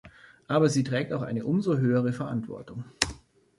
Aber sie trägt auch eine umso höhere Verantwortung.